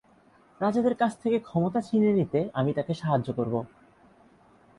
রাজাদের কাছ থেকে ক্ষমতা ছিনিয়ে নিতে, আমি তাকে সাহায্য করব।